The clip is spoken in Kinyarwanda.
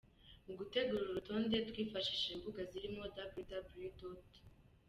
Mu gutegura uru rutonde twifashishije imbuga zirimo www.